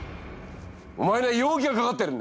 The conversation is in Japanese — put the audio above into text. お前には容疑がかかってるんだ。